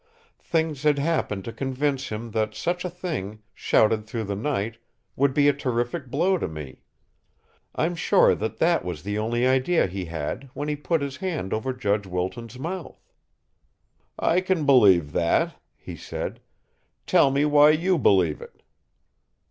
Things had happened to convince him that such a thing, shouted through the night, would be a terrific blow to me. I'm sure that that was the only idea he had when he put his hand over Judge Wilton's mouth." "I can believe that," he said. "Tell me why you believe it."